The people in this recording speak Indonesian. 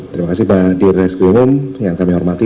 terima kasih pak dir rizky umum yang kami hormati